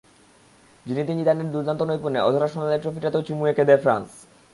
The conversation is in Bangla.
জিনেদিন জিদানের দুর্দান্ত নৈপুণ্যে অধরা সোনালি ট্রফিটাতেও চুমু এঁকে দেয় ফ্রান্স।